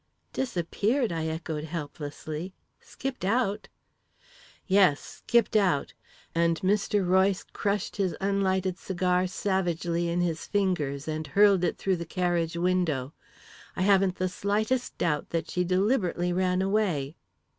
"Disappeared!" I echoed helplessly. "Skipped out!" "Yes, skipped out!" and Mr. Royce crushed his unlighted cigar savagely in his fingers and hurled it through the carriage window. "I haven't the slightest doubt that she deliberately ran away."